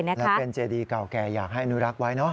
แล้วเป็นเจดีเก่าแก่อยากให้อนุรักษ์ไว้เนาะ